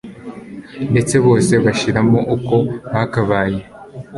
ndetse bose bashiramo uko bakabaye